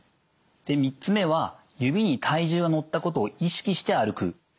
で３つ目は指に体重がのったことを意識して歩く。